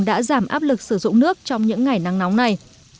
đã giảm áp lực sử dụng nước trong những ngày nắng nóng này